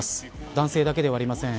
男性だけではありません。